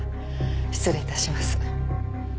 失礼致します。